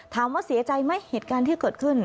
ถามว่าเสียใจไหมเหตุการณ์ที่เกิดขึ้น